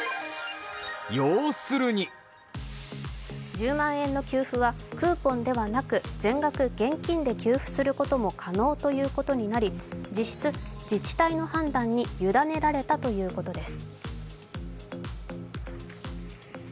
１０万円給付はクーポンではなく全額現金で給付することも可能ということになり、実質自治体の判断にゆだねられたということです。